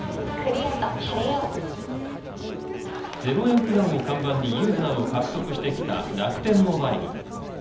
０円プランを看板にユーザーを獲得してきた楽天モバイル。